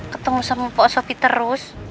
ketemu sama pak sofi terus